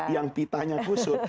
yang pitanya kusut